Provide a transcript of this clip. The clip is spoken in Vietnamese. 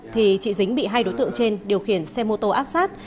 thì chị dính bị hai đối tượng trên điều khiển xe mô tô áp sát